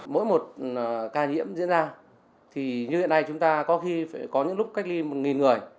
mỗi một ca nhiễm diễn ra thì như hiện nay chúng ta có khi có những lúc cách ly một người